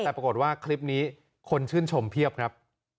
แต่ปรากฏว่าคลิปนี้คนชื่นชมเพียบครับ